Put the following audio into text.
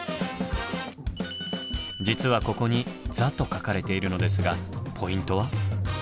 実はここに「座」と書かれているのですがポイントは？